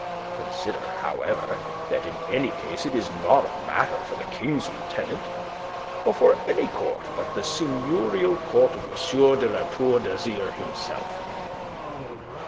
Consider, however, that in any case it is not a matter for the King's Lieutenant, or for any court but the seigneurial court of M. de La Tour d'Azyr himself.